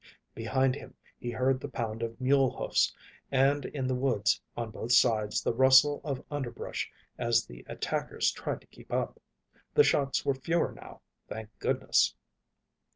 Behind him, he heard the pound of mule hoofs, and in the woods on both sides the rustle of underbrush as the attackers tried to keep up. The shots were fewer now, thank goodness!